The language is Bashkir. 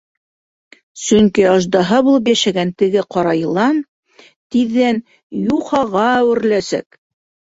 Сөнки аждаһа булып йәшәгән теге ҡара йылан тиҙҙән юхаға әүереләсәк.